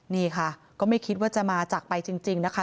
นี่ค่ะก็ไม่คิดว่าจะมาจากไปจริงนะคะ